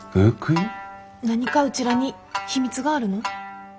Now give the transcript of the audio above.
何かうちらに秘密があるの？